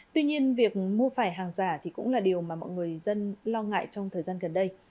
tuy nhiên việc mua phải hàng giả thì cũng là điều mà mọi người dân lo ngại trong thời gian gần đây